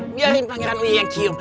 biarin pangeran wi yang cium